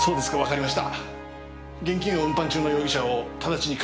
わかりました。